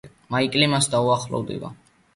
მაიკლი მას დაუახლოვდება.